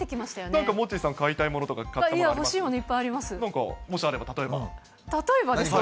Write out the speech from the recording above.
なんかモッチーさん、買いたいものとか、買ったものありますか。